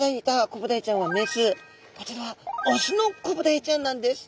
こちらはオスのコブダイちゃんなんです。